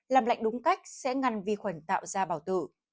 làm lạnh đúng cách sẽ ngăn vi khuẩn tạo ra bào tử